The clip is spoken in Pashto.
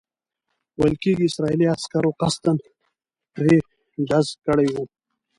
ویل کېږي اسرائیلي عسکرو قصداً پرې ډز کړی وو.